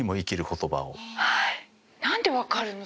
何で分かるの？